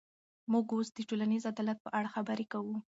موږ اوس د ټولنیز عدالت په اړه خبرې کوو.